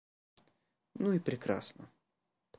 Ну и прекрасно.